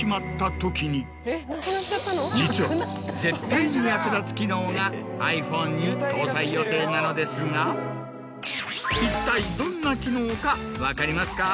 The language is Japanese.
実は絶対に役立つ機能がｉＰｈｏｎｅに搭載予定なのですが一体どんな機能か分かりますか？